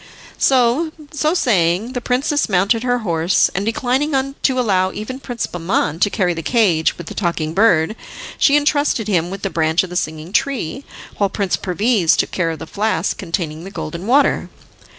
So saying the princess mounted her horse, and, declining to allow even Prince Bahman to carry the cage with the Talking Bird, she entrusted him with the branch of the Singing Tree, while Prince Perviz took care of the flask containing the Golden Water.